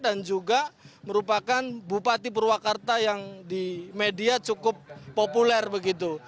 dan juga merupakan bupati purwakarta yang di media cukup populer begitu